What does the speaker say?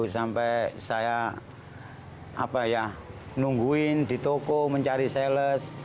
sampai saya nungguin di toko mencari sales